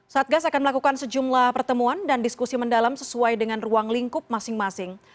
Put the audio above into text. satgas akan melakukan sejumlah pertemuan dan diskusi mendalam sesuai dengan ruang lingkup masing masing